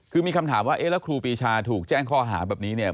คือมีคำถามว่าเอ๊ะแล้วครูปีชาถูกแจ้งข้อหาแบบนี้เนี่ย